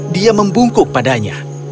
dia membungkuk padanya